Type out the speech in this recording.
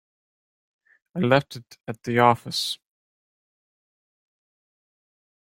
I left it at the office.